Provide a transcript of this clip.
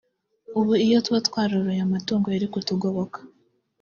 ubu iyo tuba twaroroye amatungo yari kutugoboka”